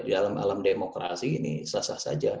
dalam alam demokrasi ini sah sah saja